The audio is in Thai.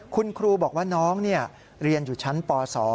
คุณครูบอกว่าน้องเรียนอยู่ชั้นป๒